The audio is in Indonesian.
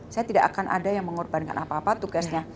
saya tidak akan ada yang mengorbankan apa apa tugasnya